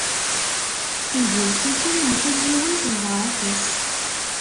Iburek-iten, mkul yiwen s lbaṛaka-s.